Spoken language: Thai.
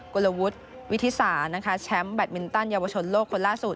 กุฬวุธวิทธิสาชีพแชมป์แบทมินตันยาวชนโลกคนล่าสุด